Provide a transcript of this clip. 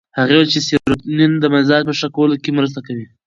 هغه وویل چې سیروتونین د مزاج په ښه کولو کې مرسته کوي.